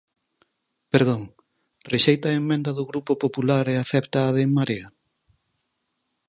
Perdón, ¿rexeita a emenda do Grupo Popular e acepta a de En Marea?